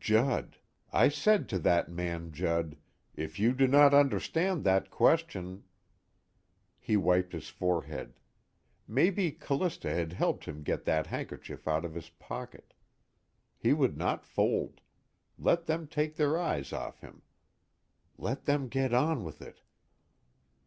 Judd I said to that man Judd: 'If you do not understand that question '_ He wiped his forehead. Maybe Callista had helped him get that handkerchief out of his pocket. He would not fold. Let them take their eyes off him. _Let them get on with it.